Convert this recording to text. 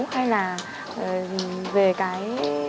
hay là về cái